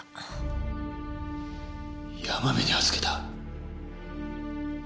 山部に預けた？